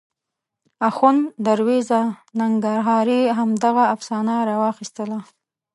اخوند دروېزه ننګرهاري همدغه افسانه راواخیستله.